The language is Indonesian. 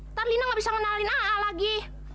ntar lina gak bisa ngenalin ah ah lagi